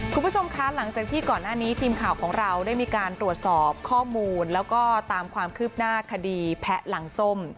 คุณผู้ชมคะหลังจากที่ก่อนหน้านี้ทีมข่าวของเราได้มีการตรวจสอบข้อมูลแล้วก็ตามความคืบหน้าคดีแพะหลังส้ม